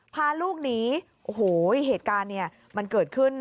พาลูกหนีโอ้โหเหตุการณ์เนี่ยมันเกิดขึ้น